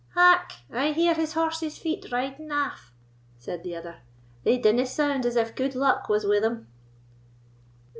"Hark! I hear his horse's feet riding aff," said the other; "they dinna sound as if good luck was wi' them."